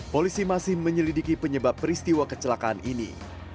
polisi masih menyelidiki penyebab peristiwa kecelakaan ini